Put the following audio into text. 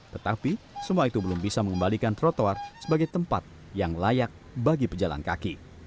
tetapi semua itu belum bisa mengembalikan trotoar sebagai tempat yang layak bagi pejalan kaki